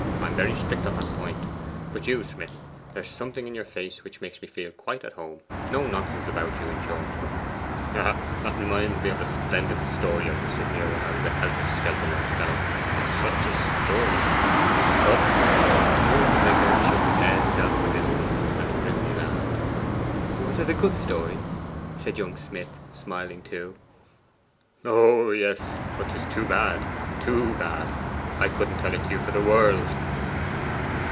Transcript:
I am very strict on that point. But you, Smith, there is something in your face which makes me feel quite at home; no nonsense about you, in short. Ah, it reminds me of a splendid story I used to hear when I was a helter skelter young fellow such a story! But' here the vicar shook his head self forbiddingly, and grimly laughed. 'Was it a good story?' said young Smith, smiling too. 'Oh yes; but 'tis too bad too bad! Couldn't tell it to you for the world!